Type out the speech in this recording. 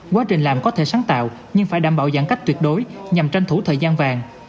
quá trình làm có thể sáng tạo nhưng phải đảm bảo giãn cách tuyệt đối nhằm tranh thủ thời gian vàng